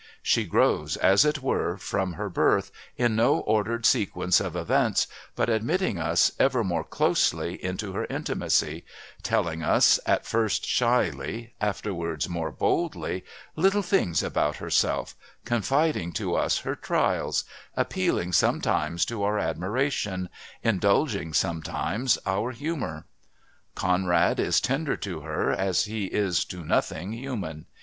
She grows, as it were, from her birth, in no ordered sequence of events, but admitting us ever more closely into her intimacy, telling us, at first shyly, afterwards more boldly, little things about herself, confiding to us her trials, appealing sometimes to our admiration, indulging sometimes our humour. Conrad is tender to her as he is to nothing human.